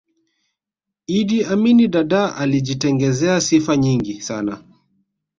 iddi amini dadaa alijitengezea sifa nyingi sana